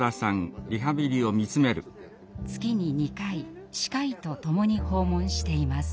月に２回歯科医とともに訪問しています。